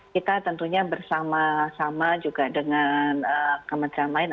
kita tentunya bersama sama juga dengan kementerian lain